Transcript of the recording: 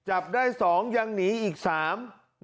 จับได้สองยังหนีอีกสาม